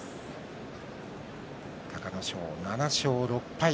隆の勝、７勝６敗。